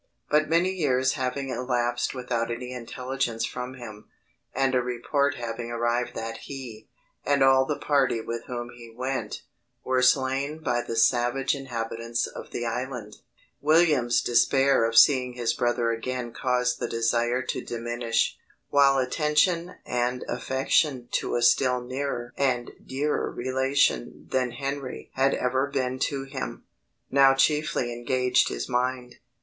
But many years having elapsed without any intelligence from him, and a report having arrived that he, and all the party with whom he went, were slain by the savage inhabitants of the island, William's despair of seeing his brother again caused the desire to diminish; while attention and affection to a still nearer and dearer relation than Henry had ever been to him, now chiefly engaged his mind.